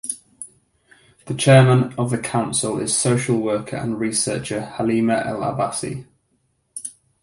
The chairman of the council is social worker and researcher Halima El Abassi.